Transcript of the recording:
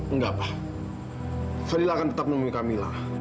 enggak pak fadil akan tetap menemui kamilah